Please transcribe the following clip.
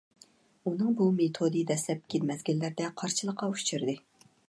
ئۇنىڭ بۇ مېتودى دەسلەپكى مەزگىللەردە قارشىلىققا ئۇچرىدى.